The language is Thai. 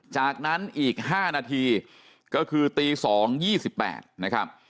จากนั้นอีก๕นาทีก็คือตี๒๒๘นะครับ